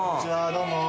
どうも。